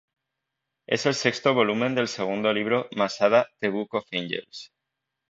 Es el sexto volumen del segundo libro Masada, ""The Book of Angels"".